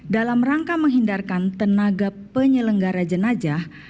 dalam rangka menghindarkan tenaga penyelenggara jenajah